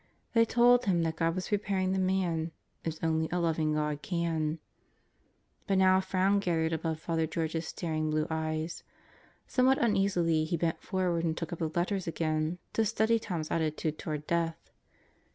They told him that God was preparing the man, as only a loving God can. But now a frown gathered above Father George's staring blue eyes. Somewhat uneasily he bent forward and took up the letters again, to study Tom's attitude toward death.